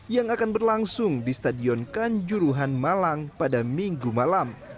yang akan berlangsung di stadion kanjuruhan malang pada minggu malam